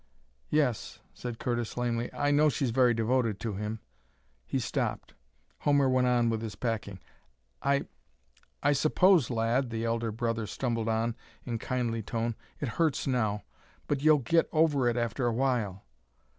"Yes," said Curtis, lamely; "I know she's very devoted to him." He stopped; Homer went on with his packing. "I I suppose, lad," the elder brother stumbled on, in kindly tone, "it hurts now, but you'll get over it after a while."